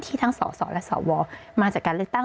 ทั้งสสและสวมาจากการเลือกตั้ง